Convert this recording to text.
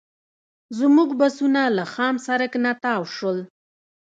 زموږ بسونه له خام سړک نه تاو شول.